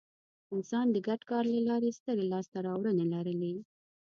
انسان د ګډ کار له لارې سترې لاستهراوړنې لرلې.